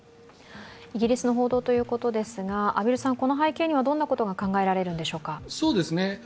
イギリスの報道ということですが、この背景にはどんなことが考えられるんでしょうか。